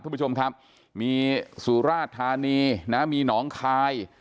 คุณผู้ชมครับมีสุราธานีนะมีหนองคาย